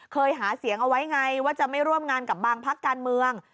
หาเสียงเอาไว้ไงว่าจะไม่ร่วมงานกับบางพักการเมือง